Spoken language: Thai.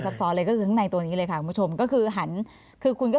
ซ้อนเลยก็คือข้างในตัวนี้เลยค่ะคุณผู้ชมก็คือหันคือคุณก็